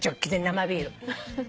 生ビール。